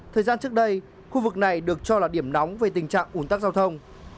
thời gian trước đây khu vực này được cho là điểm nóng về tình trạng ủn tắc giao thông